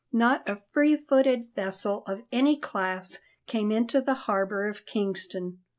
Not a free footed vessel of any class came into the harbour of Kingston.